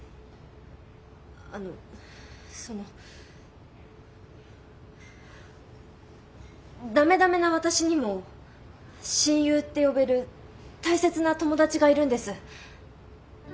あのそのダメダメな私にも親友って呼べる大切な友達がいるんです。